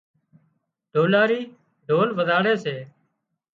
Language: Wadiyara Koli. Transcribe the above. ڍولاري ڍول وزاڙي سي